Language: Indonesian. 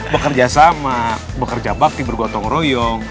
bekerja sama bekerja bakti bergotong royong